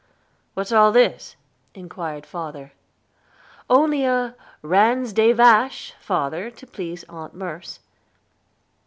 "What is all this?" inquired father. "Only a Ranz des Vaches, father, to please Aunt Merce."